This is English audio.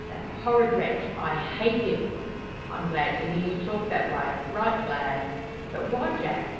That horrid wretch! I hate him!" "I'm glad to hear you talk that way right glad." "But why, Jack?